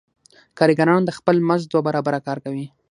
کارګران د خپل مزد دوه برابره کار کوي